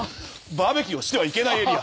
バーベキューをしてはいけないエリア？